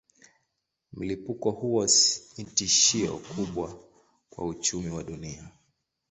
Mlipuko huo ni tishio kubwa kwa uchumi wa dunia.